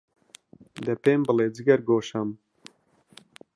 دە پێم بڵێ، جگەرگۆشەم،